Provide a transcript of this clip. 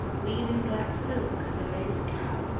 A Queen in black silk and a lace cap!